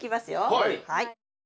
はい。